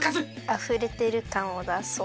あふれてるかんをだそう。